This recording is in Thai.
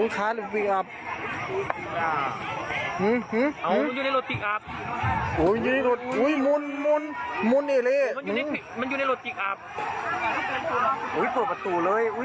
ปลาด้วยไหมนี่ว่ะ